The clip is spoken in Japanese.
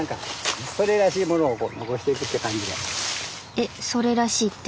えっ「それらしい」って？